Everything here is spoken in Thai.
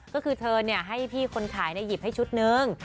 ก็คือเธอให้พี่คนขายหยิบให้ชุดนึง